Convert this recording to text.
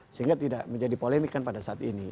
sehingga tidak menjadi polemik kan pada saat ini